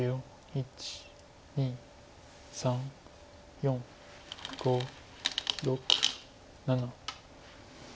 １２３４５６７。